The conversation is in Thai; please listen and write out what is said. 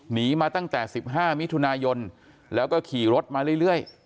หนีมาตั้งแต่๑๕มิถุนายนแล้วก็ขี่รถมาเรื่อย